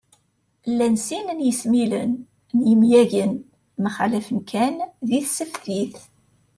Llan sin n yesmilen n yemyagen, mxallafen kan di tseftit